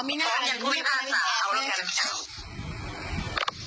อ๋อมีหน้าเหลืองี่พี่ป๊ามีเอก